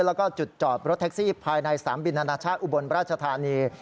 แล้วก็จุดจอดรถแท็กซี่ภายในสนามบินอนาชาติอุบลราชธานี